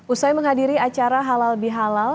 usai menghadiri acara halal bihalal